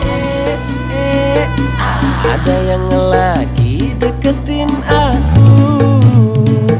eh eh ah ada yang lagi deketin aku